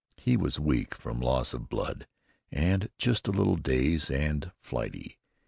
He was weak from loss of blood, and just a little dazed and flighty.